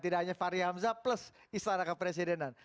tidak hanya fahri hamzah plus istana kepresidenan